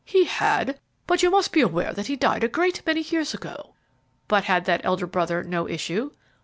"He had; but you must be aware that he died a great many years ago." "But had that elder brother no issue?"